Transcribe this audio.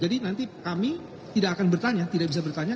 jadi nanti kami tidak akan bertanya tidak bisa bertanya